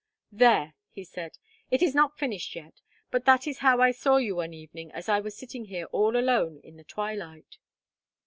"There!" he said. "It is not finished yet, but that is how I saw you one evening as I was sitting here all alone in the twilight."